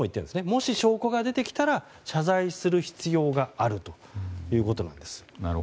もし証拠が出てきたら謝罪する必要があるということなんです。